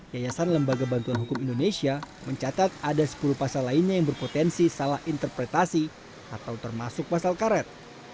yayasan lembaga bantuan hukum indonesia mencatat ada sepuluh pasal lainnya yang berpotensi salah interpretasi atau termasuk pasal karet